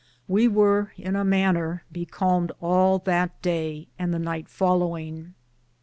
We weare in a maner becalmed all that daye and the nyghte followinge.